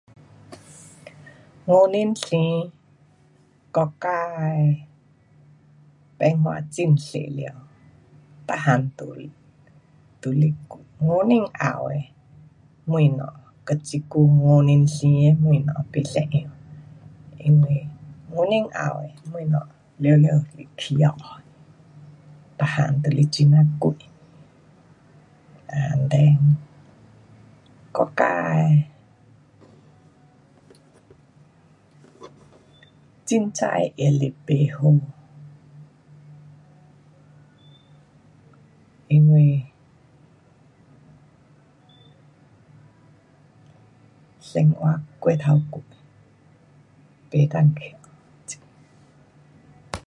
guo nuo tin ni jin zhe yon dua dua do do ho tuo se min zhen po, tei ki po, jin ki gong